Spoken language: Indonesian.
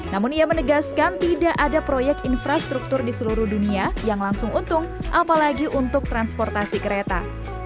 namun ia menegaskan tidak ada proyek infrastruktur di seluruh dunia yang langsung untung apalagi untuk transportasi kereta